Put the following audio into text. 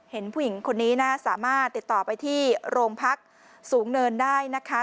เห็นผู้หญิงคนนี้นะสามารถติดต่อไปที่โรงพักสูงเนินได้นะคะ